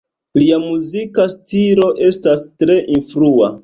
Lia muzika stilo estas tre influa.